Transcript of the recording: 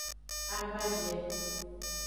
A va vie.